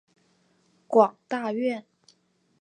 广大院。